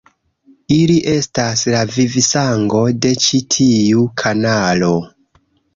Ili estas la vivsango de ĉi tiu kanalo.